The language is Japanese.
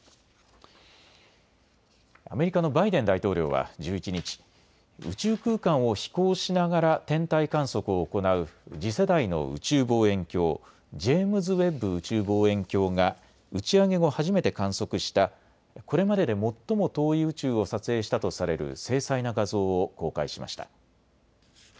アメリカのバイデン大統領は１１日、宇宙空間を飛行しながら天体観測を行う次世代の宇宙望遠鏡、ジェームズ・ウェッブ宇宙望遠鏡が打ち上げ後、初めて観測したこれまでで最も遠い宇宙を撮影したとされる精細な画像を公開しました。